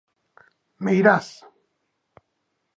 Meirás.